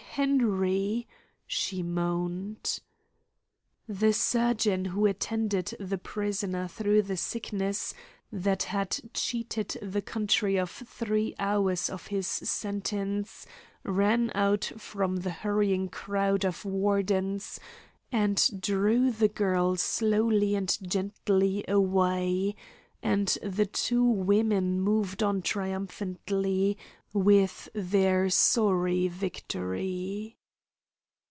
Henry!" she moaned. The surgeon who attended the prisoner through the sickness that had cheated the country of three hours of his sentence ran out from the hurrying crowd of wardens and drew the girl slowly and gently away, and the two women moved on triumphantly with their sorry victory.